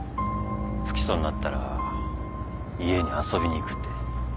不起訴になったら家に遊びに行くって。